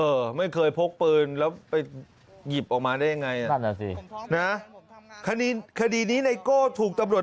เอ่อไม่เคยพกปืนแล้วไปหยิบออกมาได้ยังไงอ่ะน่ะคดีนี้ในโก้ถุงตำรวจ